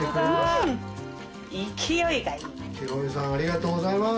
ヒロミさんありがとうございます。